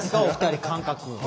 お二人、感覚。